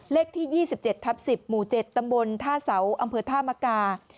เลขที่๒๗ทับ๑๐หมู่๗ตำบลท่าเสาอำเภอท่ามกา